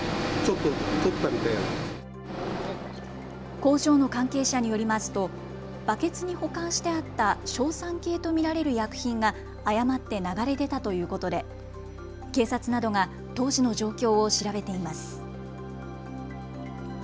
工場の関係者によりますとバケツに保管してあった硝酸系と見られる薬品が誤って流れ出たということで警察などが当時の状況を調べています。